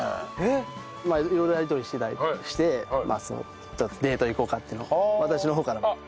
まあ色々やりとりしてたりしてデート行こうかっていうのを私の方から。